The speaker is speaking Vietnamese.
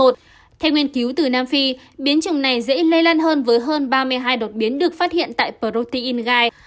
theo nghiên cứu từ nam phi biến chủng này dễ lây lan hơn với hơn ba mươi hai đột biến được phát hiện tại protein gai